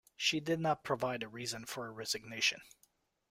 She did not provide a reason for her resignation.